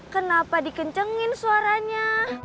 kenapa dikencengin suaranya